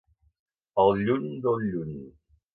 Al lluny del lluny.